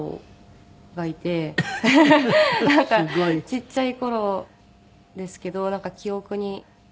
ちっちゃい頃ですけどなんか記憶にすごいあって。